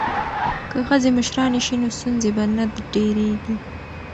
که ښځې مشرانې شي نو ستونزې به نه ډیریږي.